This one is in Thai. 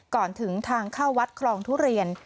ก่อนถึงทางเข้าวัดคลองทุเรียน